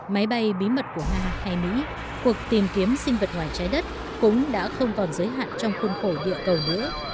máy bay bí mật của nga hay mỹ cuộc tìm kiếm sinh vật ngoài trái đất cũng đã không còn giới hạn trong khuôn khổ địa cầu nữa